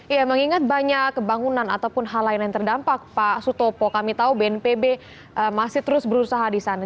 ya mengingat banyak kebangunan ataupun hal lain yang terdampak pak sutopo kami tahu bnpb masih terus berusaha di sana